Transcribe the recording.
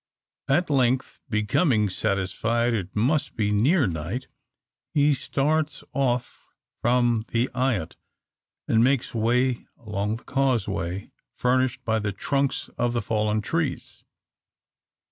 At length, becoming satisfied it must be near night, he starts off from the eyot, and makes way along the causeway furnished by the trunks of the fallen trees.